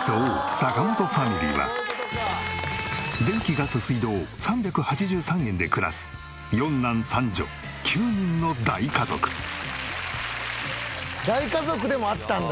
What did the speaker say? そう坂本ファミリーは電気ガス水道３８３円で暮らす大家族でもあったんだ。